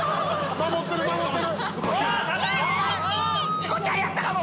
チコちゃんやったかも！